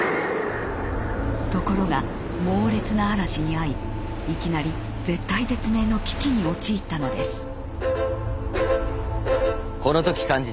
ところが猛烈な嵐に遭いいきなり絶体絶命の危機に陥ったのです。